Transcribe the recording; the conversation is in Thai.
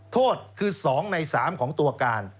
โทษคือ๒ใน๓ของตัวการ